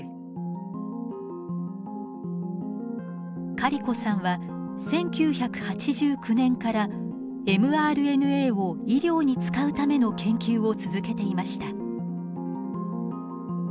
カリコさんは１９８９年からｍＲＮＡを医療に使うための研究を続けていました。